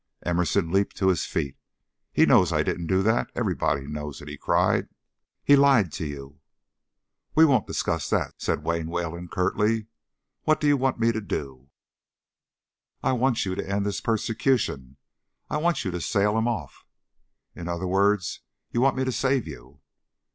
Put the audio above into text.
Emerson leaped to his feet. "He knows I didn't do that; everybody knows it!" he cried. "He lied to you." "We won't discuss that," said Wayne Wayland, curtly. "What do you want me to do?" "I want you to end this persecution. I want you to sail him off." "In other words, you want me to save you."